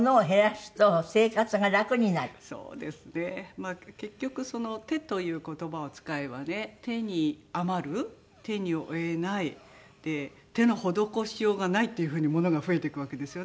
まあ結局「手」という言葉を使えばね「手に余る」「手に負えない」「手の施しようがない」っていう風に物が増えていくわけですよね。